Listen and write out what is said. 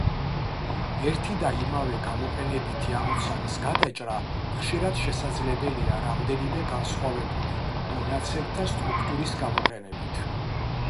ერთი და იმავე გამოყენებითი ამოცანის გადაჭრა ხშირად შესაძლებელია რამდენიმე განსხვავებული მონაცემთა სტრუქტურის გამოყენებით.